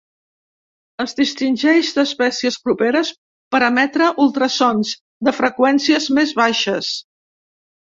Es distingeix d'espècies properes per emetre ultrasons de freqüències més baixes.